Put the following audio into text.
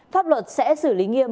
pháp luật sẽ xử lý nghiêm